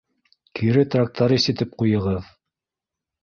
— Кире тракторист итеп ҡуйығыҙ.